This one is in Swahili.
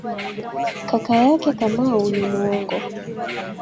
Kaka yake Kamau ni muongo.